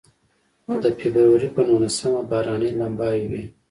د فبروري په نولسمه باراني لمباوې وې.